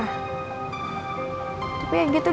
tapi emang kayaknya nyarinya aja yang gak bener